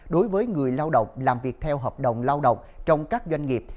đối với người lao động làm việc theo hợp đồng lao động trong các doanh nghiệp